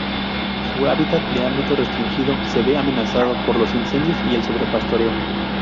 Su hábitat, de ámbito restringido, se ve amenazado por los incendios y el sobrepastoreo.